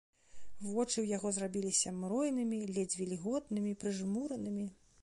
Вочы ў яго зрабіліся мройнымі, ледзь вільготнымі, прыжмуранымі.